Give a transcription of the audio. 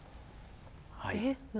はい。